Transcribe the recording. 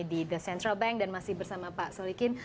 di the central bank dan masih bersama pak solikin